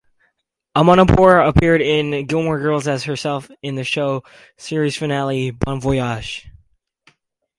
Amanpour appeared in "Gilmore Girls" as herself in the show's series finale, "Bon Voyage".